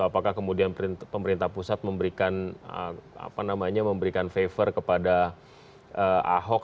apakah kemudian pemerintah pusat memberikan apa namanya memberikan favor kepada ahok